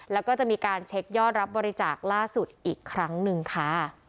แล้วก็จะมีการเช็คยอดรับบริจาคล่าสุดอีกครั้งหนึ่งค่ะ